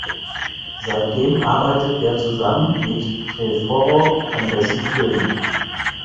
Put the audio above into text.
Seitdem arbeitet er zusammen mit Trevorrow an dessen Filmen.